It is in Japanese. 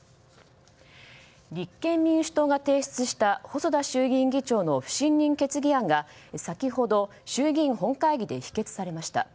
立憲民主党が提出した細田衆議院議長の不信任決議案が先ほど衆議院本会議で否決されました。